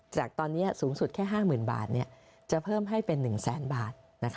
จากตอนนี้สูงสุดแค่๕๐๐๐บาทจะเพิ่มให้เป็น๑แสนบาท